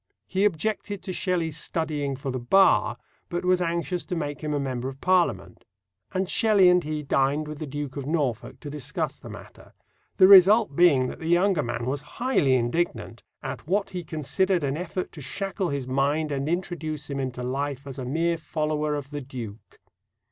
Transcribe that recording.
He objected to Shelley's studying for the Bar, but was anxious to make him a member of Parliament; and Shelley and he dined with the Duke of Norfolk to discuss the matter, the result being that the younger man was highly indignant "at what he considered an effort to shackle his mind, and introduce him into life as a mere follower of the Duke."